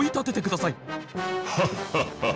ハッハッハ！